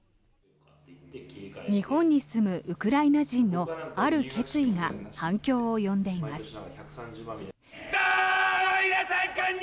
日本に住むウクライナ人のある決意が反響を呼んでいます。